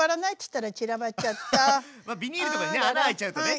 あっまビニールとかにね穴開いちゃうとね。